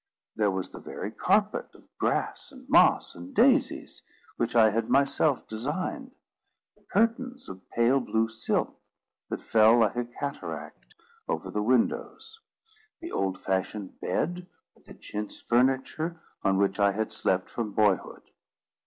There was the very carpet of grass and moss and daisies, which I had myself designed; the curtains of pale blue silk, that fell like a cataract over the windows; the old fashioned bed, with the chintz furniture, on which I had slept from boyhood.